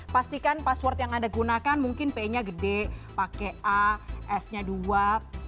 pastikan password yang anda gunakan mungkin p nya gede pakai a s nya dua